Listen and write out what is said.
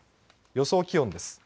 予想気温です。